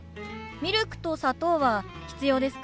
ミルクと砂糖は必要ですか？